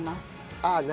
ああ！